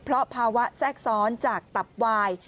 เพราะภาวะแทรกซ้อนจากตับวาย